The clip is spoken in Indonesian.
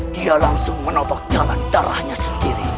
dia langsung menotok jalan darahnya sendiri